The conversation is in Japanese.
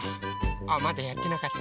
あまだやってなかった。